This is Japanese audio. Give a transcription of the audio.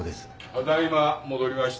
・ただ今戻りました。